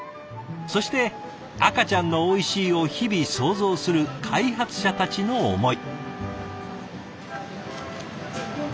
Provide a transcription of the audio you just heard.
そして赤ちゃんの「おいしい」を日々想像する開発者たちの思い。